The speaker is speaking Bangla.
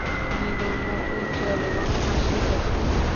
নীলুর মুখ উজ্জ্বল এবং হাসি-হাসি।